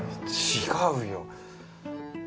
違うよ。